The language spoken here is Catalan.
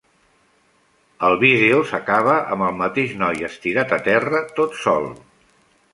El vídeo s'acaba amb el mateix noi estirat a terra tot sol.